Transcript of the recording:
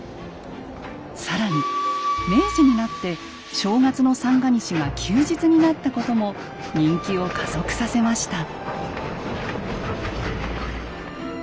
更に明治になって正月の三が日が休日になったことも人気を加速させました。